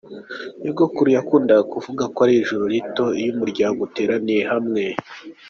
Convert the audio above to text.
Nyogokuru yakundaga kuvuga ko ari ijuru rito iyo umuryango uteraniye hamwe.